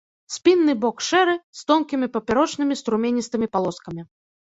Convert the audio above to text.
Спінны бок шэры, з тонкімі папярочнымі струменістымі палоскамі.